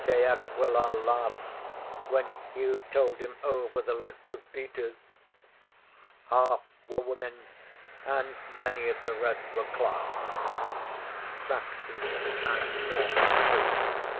De Aquila laughed when Hugh told him over the list of beaters. Half were women; and many of the rest were clerks Saxon and Norman priests.